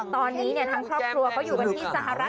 ตอนนี้เนี่ยทั้งครอบครัว